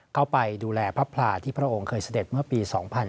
เข้าไปดูแลพระพลาที่พระองค์เคยเสด็จเมื่อปี๒๕๕๙